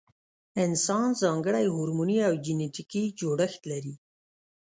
انسان ځانګړی هورموني او جنټیکي جوړښت لري.